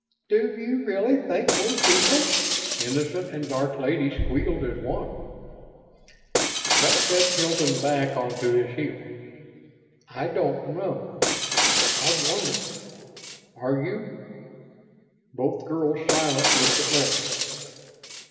"Do you really think we're people?" Innocent and Dark Lady squealed, as one. That set Hilton back onto his heels. "I don't know.... I've wondered. Are you?" Both girls, silent, looked at Larry.